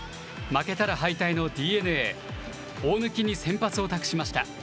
負けたら敗退のＤｅＮＡ、大貫に先発を託しました。